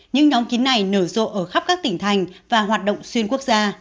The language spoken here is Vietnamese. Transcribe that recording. những nhóm kín này nở rộ ở khắp các tỉnh thành và hoạt động xuyên quốc gia